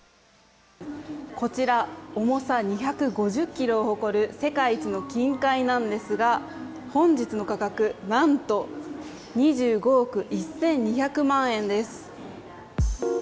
こちら重さ２５０ｋｇを誇る世界一の金塊なんですが本日の価格何と２５億１２００万円です。